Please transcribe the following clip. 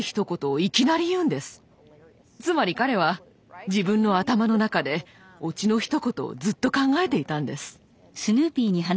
つまり彼は自分の頭の中でオチのひと言をずっと考えていたんです。